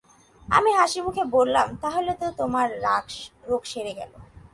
আমি হাসিমুখে বললাম, তাহলে তো তোমার রোগ সেরে গেল।